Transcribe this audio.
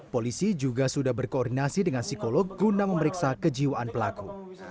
polisi juga sudah berkoordinasi dengan psikolog guna memeriksa kejiwaan pelaku